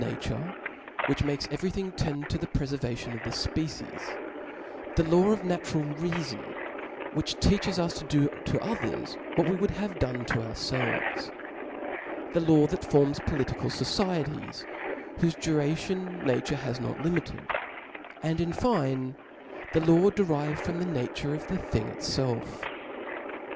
natute, which makes every thing tend to the prefer *^'^* vation of the fpecies % the law of natural rcafon, which ^ivtcW us to do to others what we would have done to ourfelves •, the law that forms politi cal ibcieties j whofe durs^on nature has not limit* ^d> and) in fine^ |Jie law derived from the nature of the thing itfelf.